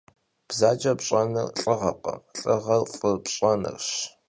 Bzace pş'enır lh'ığekhım, lh'ığer f'ı pş'enırş.